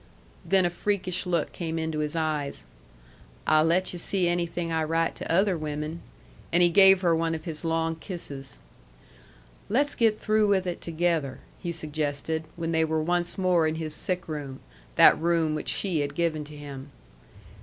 Then a freakish look came into his eyes. "I'll let yu' see anything I write to other women." And he gave her one of his long kisses. "Let's get through with it together," he suggested, when they were once more in his sick room, that room which she had given to him.